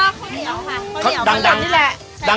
ค่าวเหนียวก็แล้วมั้งนี้แหละ